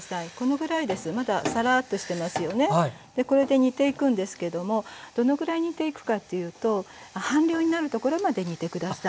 これで煮ていくんですけどもどのぐらい煮ていくかっていうと半量になるところまで煮て下さい。